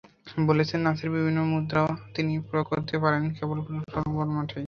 বলেছেন, নাচের বিভিন্ন মুদ্রা তিনি প্রয়োগ করতে পারেন কেবল ফুটবল মাঠেই।